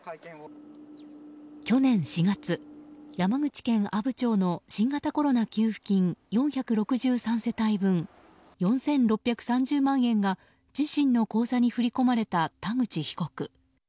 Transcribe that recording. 去年４月、山口県阿武町の新型コロナ給付金４６３世帯分、４６３０万円が自身の口座に振り込まれた田口被告。